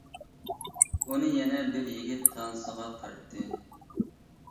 ئۇنى يەنە بىر يىگىت تانسىغا تارتتى.